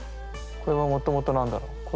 これはもともと何だろう？